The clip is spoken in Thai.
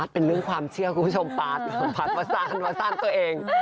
เป็นเรื่องความเชื่อคุณผู้ชมปาร์ตวัตซานวัตซานตัวเอง